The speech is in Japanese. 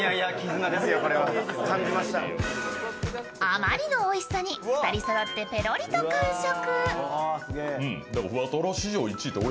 あまりのおいしさに２人そろってペロリと完食。